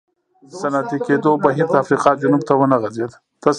صنعتي کېدو بهیر د افریقا جنوب ته ونه غځېد.